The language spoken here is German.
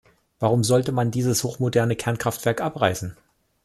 Warum sollte man dieses hochmoderne Kernkraftwerk abreißen?